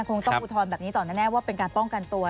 คงต้องอุทธรณ์แบบนี้ต่อแน่ว่าเป็นการป้องกันตัว